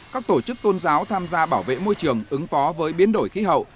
các tổ chức tôn giáo tham gia bảo vệ môi trường ứng phó với biến đổi khí hậu